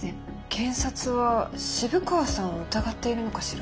検察は渋川さんを疑っているのかしら。